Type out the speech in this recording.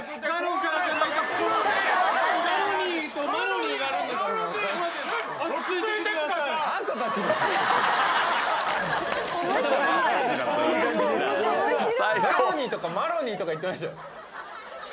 コロニーとかマロニーとか言ってましたよ。